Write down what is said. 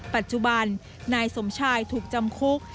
ปัจจุบันนายสมชายถูกจำคุก